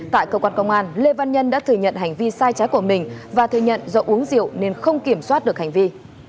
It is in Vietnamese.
tại cơ quan công an lê văn nhân đã thừa nhận hành vi sai trái của mình và thừa nhận do uống rượu nên không kiểm soát được hành vi